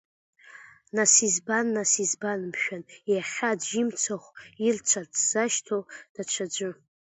Нас, избан, нас, избан, мшәан, иахьа аӡә имцахә ирцәарц дзашьҭоу даҽаӡәы?!